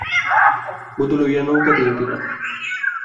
বধূ লইয়া নৌকাতেই উঠিলাম।